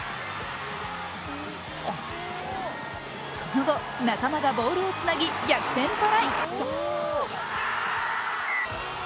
その後、仲間がボールをつなぎ逆転トライ。